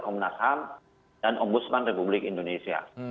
kom dan ombudsman republik indonesia